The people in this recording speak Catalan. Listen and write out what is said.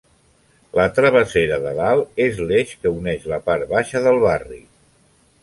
La travessera de Dalt és l'eix que uneix la part baixa del barri.